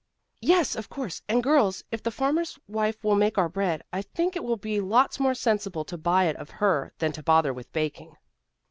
"Yes, of course. And girls, if the farmer's wife will make our bread, I think it will be lots more sensible to buy it of her, than to bother with baking."